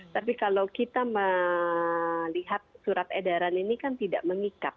tapi kalau kita melihat surat edaran ini kan tidak mengikat